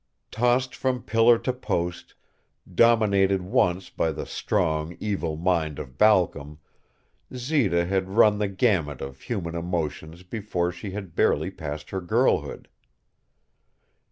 Tossed from pillar to post, dominated once by the strong, evil mind of Balcom, Zita had run the gamut of human emotions before she had barely passed her girlhood.